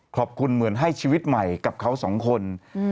ขอบคุณเหมือนให้ชีวิตใหม่กับเขาสองคน